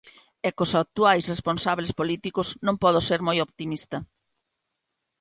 E cos actuais responsables políticos non podo ser moi optimista.